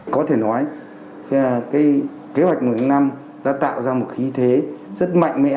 có thể nói cái kế hoạch một trăm linh năm đã tạo ra một khí thế rất mạnh mẽ